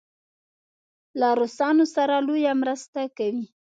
له روسانو سره لویه مرسته کوي.